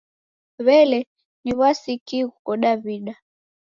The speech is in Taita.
W'ele, ni w'asi ki ghuko Daw'ida?